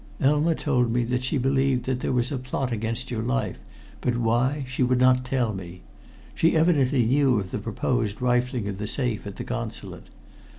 Elma told me that she believed that there was a plot against your life, but why she would not tell me. She evidently knew of the proposed rifling of the safe at the Consulate.